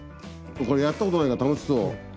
これやったことないから楽しそう。